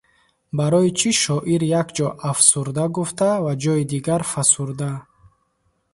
Барои чӣ шоир як ҷо афсурда гуфта ва ҷойи дигар фасурда?